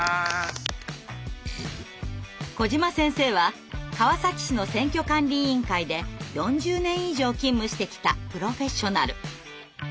小島先生は川崎市の選挙管理委員会で４０年以上勤務してきたプロフェッショナル。